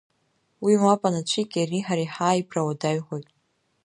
Уи мап анацәик, иареи ҳареи ҳааибра уадаҩхоит.